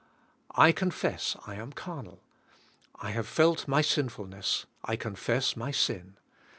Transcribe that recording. I confess I am carnal, I have felt my sinfulness, I confess my sin.